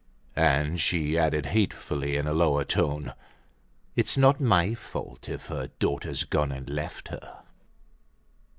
And she added hatefully in a lower tone: "It isn't my fault if her daughter's gone and left her."